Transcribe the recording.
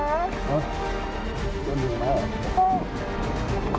ป๊าไปเลยไปเลย